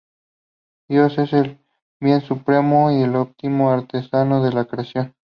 Dios es el bien supremo y el óptimo artesano de la creación.